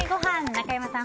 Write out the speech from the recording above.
中山さん